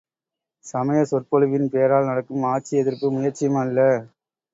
சமயச் சொற்பொழிவின் பேரால் நடக்கும் ஆட்சி எதிர்ப்பு முயற்சியும் அல்ல.